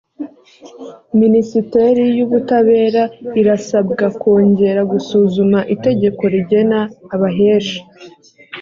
minisiteri y ubutabera irasabwa kongera gusuzuma itegeko rigena abahesha